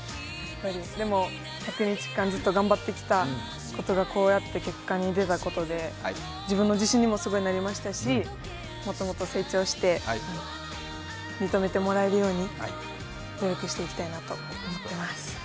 でも、１００日間ずっと頑張ってきたことがこうやって結果で出て、自分の自信にもすごいなりましたし、もっともっと成長して認めてもらえるように努力していきたいと思っています。